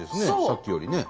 さっきよりね。